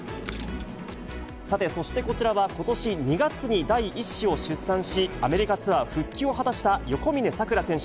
さて、そしてこちらはことし２月に第１子を出産し、アメリカツアー復帰を果たした横峯さくら選手。